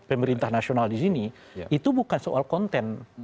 pemerintah nasional di sini itu bukan soal konten